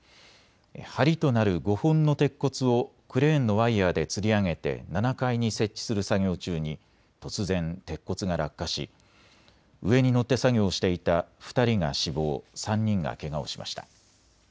はりとなる５本の鉄骨をクレーンのワイヤーでつり上げて７階に設置する作業中に突然、鉄骨が落下し上に乗って作業をしていた２人が死亡、３人がけがをしました。